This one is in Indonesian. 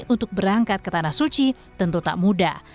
untuk berangkat ke tanah suci tentu tak mudah